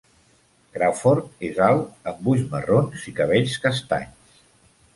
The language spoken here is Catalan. Crawford és alt amb ulls marrons i cabells castanys.